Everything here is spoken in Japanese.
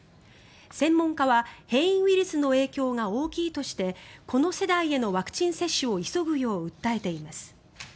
専門家は変異ウイルスの影響が大きいとしてこの世代へのワクチン接種を急ぐよう訴えています。